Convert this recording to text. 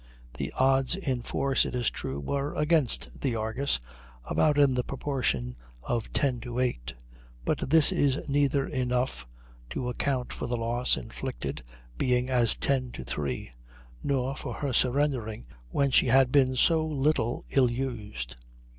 The odds in force, it is true, were against the Argus, about in the proportion of 10 to 8, but this is neither enough to account for the loss inflicted being as 10 to 3, nor for her surrendering when she had been so little ill used.